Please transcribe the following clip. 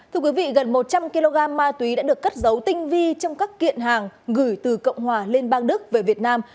thưa quý vị gần một trăm linh kg ma túy đã được cất giấu tinh vi trong các kiện hàng gửi từ cộng hòa liên bang đức về việt nam